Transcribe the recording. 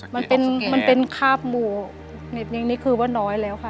มันเป็นคาบหมูอย่างนี้คือว่าน้อยแล้วค่ะ